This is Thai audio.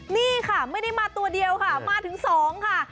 นี่ค่ะไม่ได้มาตัวเดียวค่ะมาถึง๒ค่ะ